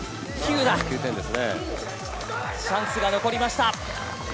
チャンスが残りました！